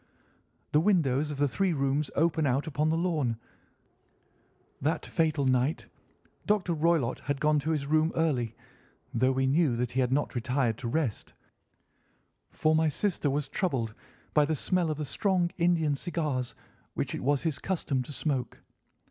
"The windows of the three rooms open out upon the lawn. That fatal night Dr. Roylott had gone to his room early, though we knew that he had not retired to rest, for my sister was troubled by the smell of the strong Indian cigars which it was his custom to smoke.